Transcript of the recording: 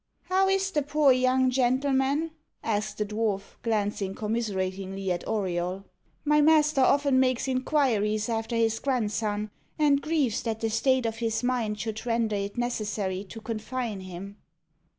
"How is the poor young gentleman?" asked the dwarf, glancing commiseratingly at Auriol. "My master often makes inquiries after his grandson, and grieves that the state of his mind should render it necessary to confine him."